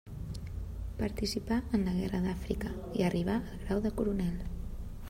Participà en la Guerra d'Àfrica i arribà al grau de coronel.